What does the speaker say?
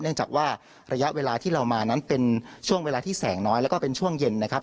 เนื่องจากว่าระยะเวลาที่เรามานั้นเป็นช่วงเวลาที่แสงน้อยแล้วก็เป็นช่วงเย็นนะครับ